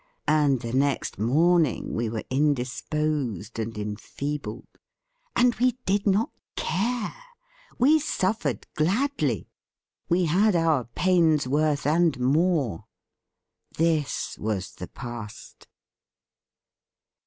And the next morning we were indisposed and enfeebled; and we did not care; we suffered gladly; we THE FEAST OF ST FRIEND had our pain's worth, and more. This was the past.